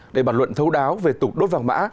để bản luận thấu đáo về tục đốt vàng mã